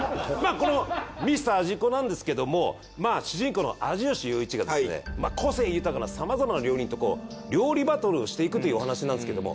この『ミスター味っ子』なんですけども主人公の味吉陽一がですね個性豊かなさまざまな料理人とこう料理バトルをしていくというお話なんですけども。